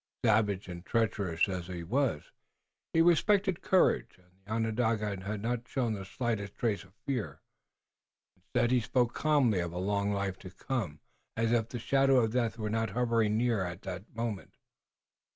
Savage and treacherous as he was, he respected courage, and the Onondaga had not shown the slightest trace of fear. Instead, he spoke calmly of a long life to come, as if the shadow of death were not hovering near at that moment.